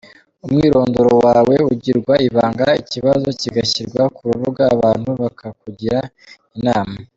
Umwirondoro wawe ugirwa ibanga, ikibazo kigashyirwa ku rubuga, abantu bakakugira inama.